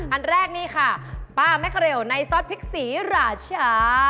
อันแรกนี่ค่ะป้าแมคเรลในซอสพริกศรีราชา